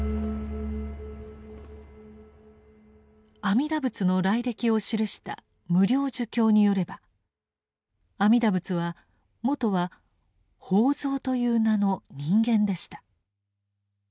阿弥陀仏の来歴を記した「無量寿経」によれば阿弥陀仏はもとは「法蔵」という名の人間でした。